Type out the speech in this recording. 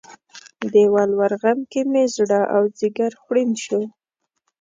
د ولور غم کې مې زړه او ځیګر خوړین شو